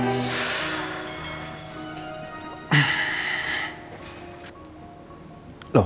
nanti kita panggil di rumah